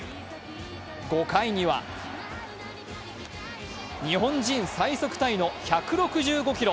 ５回には日本人最速タイの１６５キロ。